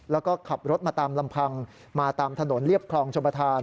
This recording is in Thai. แล้วก็ขับรถมาตามลำพังมาตามถนนเรียบคลองชมประธาน